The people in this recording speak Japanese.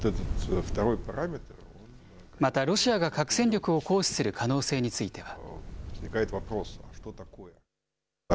またロシアが核戦力を行使する可能性については。